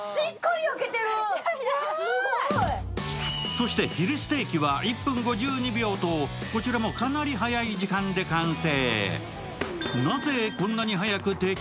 そしてヒレステーキは１分５２秒とこちらもかなり速い時間で完成。